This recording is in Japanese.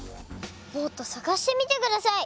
もっとさがしてみてください。